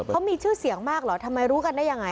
เขามีชื่อเสียงมากเหรอทำไมรู้กันได้ยังไง